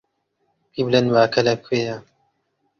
قیبلەنماکە لەکوێیە؟